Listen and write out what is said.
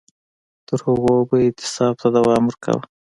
تر هغو به یې اعتصاب ته دوام ورکاوه.